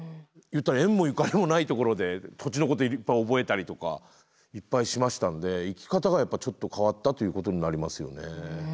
言ったら縁もゆかりもないところで土地のこと覚えたりとかいっぱいしましたんで生き方がやっぱちょっと変わったということになりますよね。